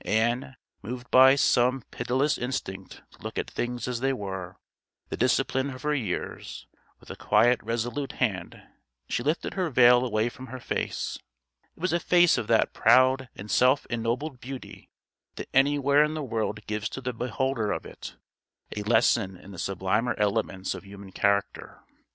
And, moved by some pitiless instinct to look at things as they are, the discipline of her years, with a quiet resolute hand she lifted her veil away from her face. It was a face of that proud and self ennobled beauty that anywhere in the world gives to the beholder of it a lesson in the sublimer elements of human character.